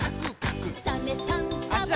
「サメさんサバさん」